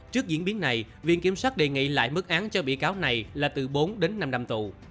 trước diễn biến này viện kiểm sát đề nghị lại mức án cho bị cáo này là từ bốn đến năm năm tù